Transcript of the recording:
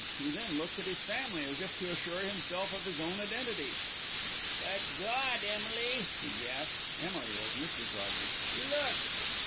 He then looked at his family as if to assure himself of his own identity. "Good God! Emily," he gasped (Emily was Mrs. Rogers), "look!"